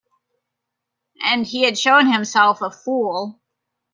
And he had shown himself a fool.